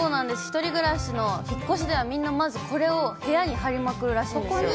１人暮らしの引っ越しではみんなまず、これを部屋に貼りまくるらしいですよ。